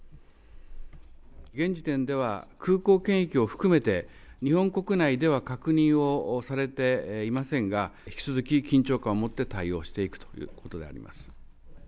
現時点では空港検疫を含めて、日本国内では確認をされていませんが、引き続き、緊張感を持って対応していくということであります。